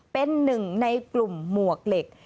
เป็นหนึ่งในกลุ่มหมวกเหล็ก